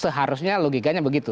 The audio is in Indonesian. seharusnya logikanya begitu